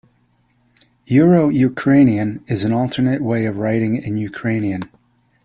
Euro-Ukrainian is an alternate way of writing in Ukrainian.